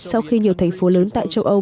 sau khi nhiều thành phố lớn tại châu âu